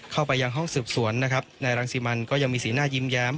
เข้าไปยังห้องสืบสวนนะครับนายรังสิมันก็ยังมีสีหน้ายิ้มแย้ม